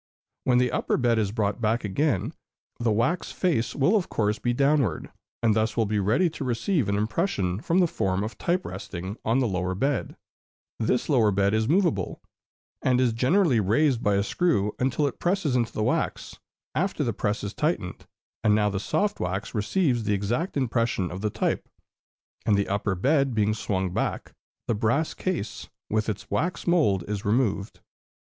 When the upper bed is brought back again, the wax face will of course be downward, and thus will be ready to receive an impression from the form of type resting on the lower bed; this lower bed is movable, and is gently raised by a screw until it presses into the wax, after the press is tightened, and now the soft wax receives the exact impression of the type; and the upper bed being swung back, the brass case, with its wax mould, is removed.